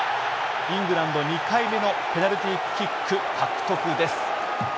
イングランド２回目のペナルティーキック獲得です。